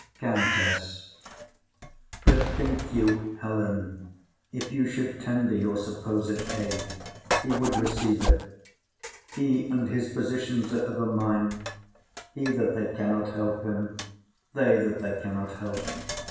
COUNTESS. But think you, Helen, If you should tender your supposed aid, He would receive it? He and his physicians Are of a mind; he, that they cannot help him; They, that they cannot help.